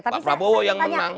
pak prabowo yang menang